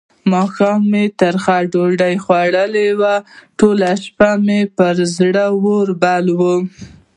ماښام مې ترخه ډوډۍ خوړلې وه؛ ټوله شپه مې پر زړه اور بل وو.